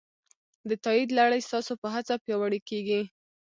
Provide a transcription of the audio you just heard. د تایید لړۍ ستاسو په هڅه پیاوړې کېږي.